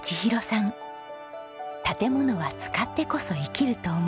建物は使ってこそ生きると思い